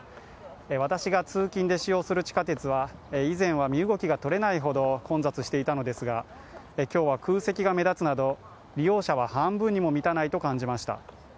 私が通勤で使用する地下鉄は以前は身動きが取れないほど混雑していたのですが、今日は空席が目立つなど利用者は半分にも満たないと感じました。